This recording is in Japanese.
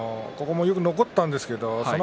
よく残ったんですけどね